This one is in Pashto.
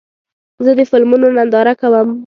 زه د فلمونو ننداره کوم.